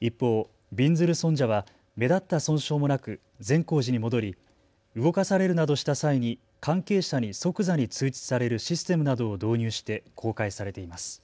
一方、びんずる尊者は目立った損傷もなく善光寺に戻り動かされるなどした際に関係者に即座に通知されるシステムなどを導入して公開されています。